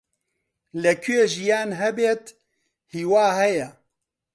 لەکوێ ژیان هەبێت، هیوا هەیە.